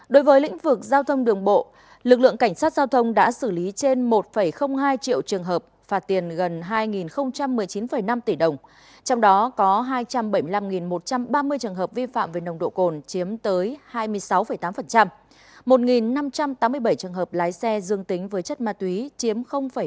đối với lĩnh vực giao thông đường bộ lực lượng cảnh sát giao thông đã xử lý trên một hai triệu trường hợp phạt tiền gần hai một mươi chín năm tỷ đồng trong đó có hai trăm bảy mươi năm một trăm ba mươi trường hợp vi phạm về nồng độ cồn chiếm tới hai mươi sáu tám một năm trăm tám mươi bảy trường hợp lái xe dương tính với chất ma túy chiếm bảy mươi